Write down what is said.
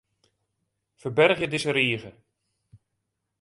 Ferbergje dizze rige.